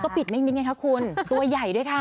ก็ปิดนิดอย่างนี้คะคุณตัวใหญ่ด้วยค่ะ